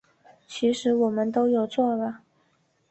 其实我们都有做了